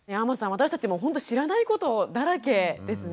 私たちもほんと知らないことだらけですね。